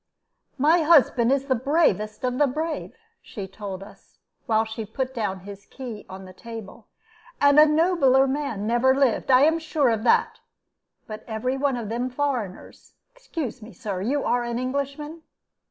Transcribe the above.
"My husband is the bravest of the brave," she told us, while she put down his key on the table; "and a nobler man never lived; I am sure of that. But every one of them foreigners excuse me, Sir, you are an Englishman?"